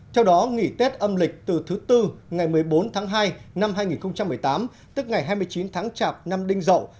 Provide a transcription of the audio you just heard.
theo đó nghỉ tết âm lịch từ thứ tư ngày một mươi bốn tháng hai năm hai nghìn một mươi tám tức ngày hai mươi chín tháng chạp năm đinh dậu